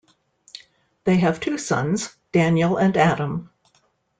They have two sons, Daniel and Adam.